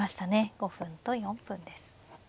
５分と４分です。